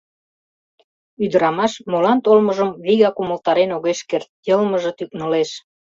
— Ӱдырамаш молан толмыжым вигак умылтарен огеш керт, йылмыже тӱкнылеш.